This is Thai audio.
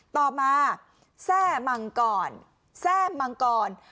ต่อมาแทร่มังกรแซ่มังกร